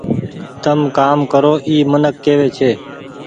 تم ڪآم ڪرو اي منڪ ڪيوي ڇي۔